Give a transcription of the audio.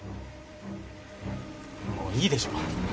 もういいでしょ？